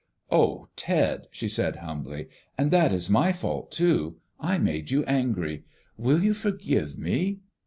"Oh, Ted," she said humbly, "and that is my fault too. I made you angry. Will you forgive me?"